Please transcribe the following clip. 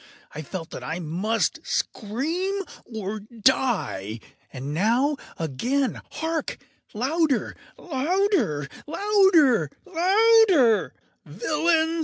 I felt that I must scream or die! and now—again!—hark! louder! louder! louder! louder! “Villains!